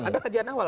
ada kejadian awal